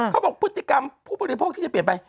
เขาบอกพฤติกรรมผู้บริโภคที่จะเปลี่ยนไป